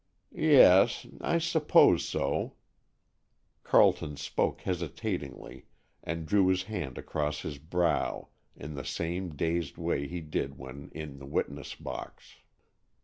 "Yes,—I suppose so;" Carleton spoke hesitatingly, and drew his hand across his brow in the same dazed way he did when in the witness box.